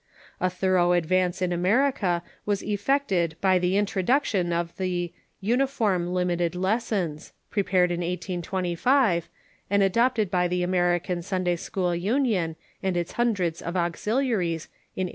A thorough advance in Amer ica was effected by the introduction of the ' Uni form Limited Lessons,' prepared in 1825, and adopted by the American Sunday school Union, and its hundreds of auxilia ries, in 1826.